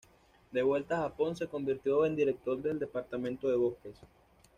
De vuelta a Japón se convirtió en director del Departamento de Bosques.